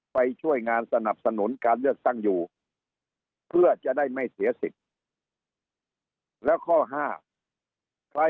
ไปช่วยงานสนับสนุนการเลือกตั้งอยู่เพื่อจะได้ไม่เสียสิทธิ์